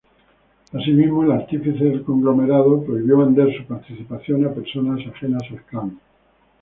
Asimismo, el artífice del conglomerado prohibió vender su participación a personas ajenas al clan.